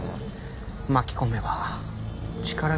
巻き込めば力に。